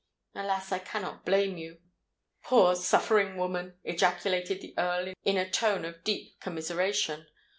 "Alas! I cannot blame you, poor, suffering woman?" ejaculated the Earl in a tone of deep commiseration.